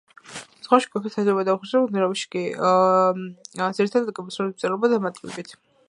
ზღვაში იკვებება თევზებითა და უხერხემლოებით, მდინარეში კი ძირითადად კიბოსნაირებით, მწერებითა და მატლებით.